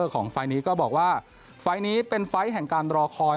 ไฟล์นี้ก็บอกว่าไฟล์นี้เป็นไฟล์แห่งการรอคอย